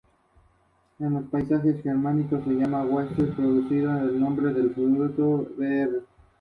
Todos son de gran dureza y del sistema cristalino trigonal.